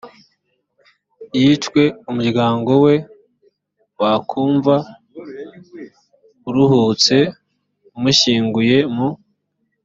yicwe umuryango we wakumva uruhutse umushyinguye mu